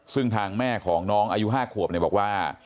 ซึ่งทางแม่ของน้องอายุ๕ขวบบอกว่า